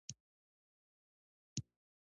سوار پولیس د کاناډا نښه ده.